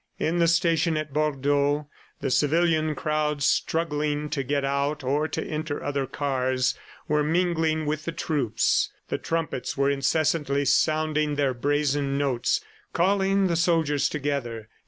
In the station at Bordeaux, the civilian crowds struggling to get out or to enter other cars, were mingling with the troops. The trumpets were incessantly sounding their brazen notes, calling the soldiers together.